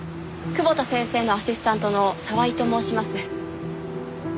窪田先生のアシスタントの沢井と申します。